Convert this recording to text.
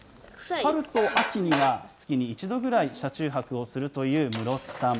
春と秋には月に１度くらい車中泊をするという室津さん。